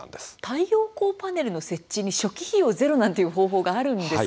太陽光パネルの設置に初期費用ゼロなんていう方法があるんですか？